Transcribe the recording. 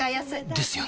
ですよね